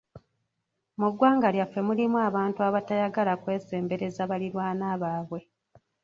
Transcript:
Mu ggwanga lyaffe mulimu abantu abatayagala kwesembereza baliraanwa baabwe.